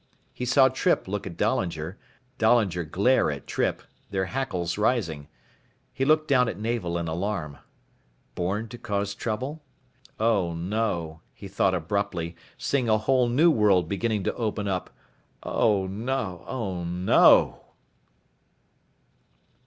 He saw Trippe look at Dahlinger, Dahlinger glare at Trippe, their hackles rising. He looked down at Navel in alarm. Born to cause trouble? Oh no, he thought abruptly, seeing a whole new world beginning to open up, oh no, oh no....